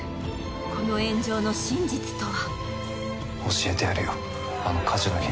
この炎上の真実とは？